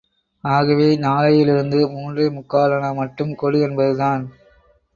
ஆகவே, நாளையிலிருந்து மூன்றே முக்காலணா மட்டும் கொடு என்பதுதான்.